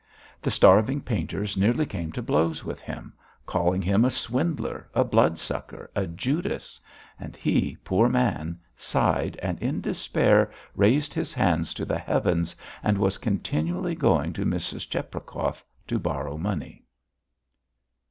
The starving painters nearly came to blows with him, called him a swindler, a bloodsucker, a Judas, and he, poor man, sighed and in despair raised his hands to the heavens and was continually going to Mrs. Cheprakov to borrow money.